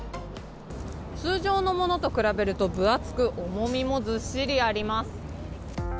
通常のものと比べると分厚く、重みもずっしりあります。